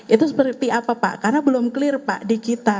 itu seperti apa pak karena belum clear pak di kita